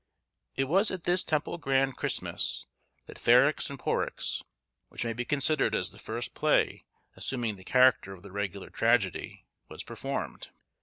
It was at this Temple Grand Christmas that Ferrex and Porrex, which may be considered as the first play assuming the character of the regular tragedy, was performed.